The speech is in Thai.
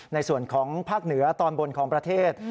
ในส่วนของภาคเหนือตอนบนของประเทศ